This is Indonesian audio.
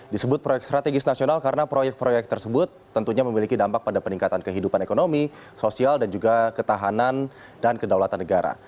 disebut proyek strategis nasional karena proyek proyek tersebut tentunya memiliki dampak pada peningkatan kehidupan ekonomi sosial dan juga ketahanan dan kedaulatan negara